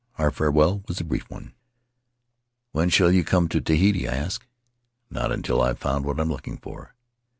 Our farewell was a brief one. "When shall you come to Tahiti?' I asked. "Not until I have found what I'm looking for."